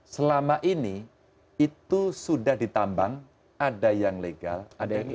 selama ini itu sudah ditambang ada yang legal ada yang ile